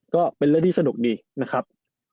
ก็เป็นเรื่องที่สนุกดีนะครับ